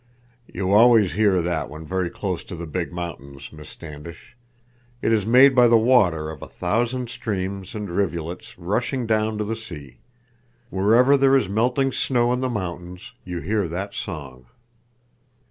"You always hear that when very close to the big mountains, Miss Standish. It is made by the water of a thousand streams and rivulets rushing down to the sea. Wherever there is melting snow in the mountains, you hear that song."